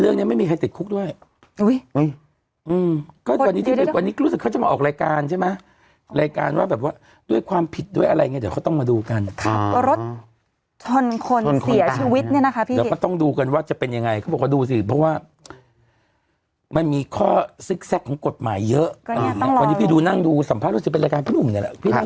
ซึ่งเขาบอกว่าอันนี้ไม่ดีเรื่องนี้ไม่มีใครติดคุกด้วย